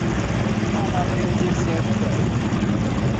uma maneira de se ajudar